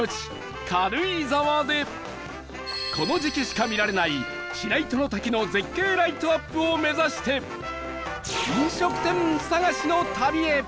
軽井沢でこの時期しか見られない白糸の滝の絶景ライトアップを目指して飲食店探しの旅へ！